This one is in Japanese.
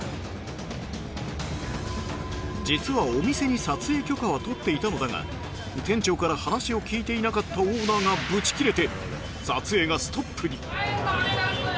実はお店に撮影許可は取っていたのだが店長から話を聞いていなかったオーナーがブチ切れて撮影がストップに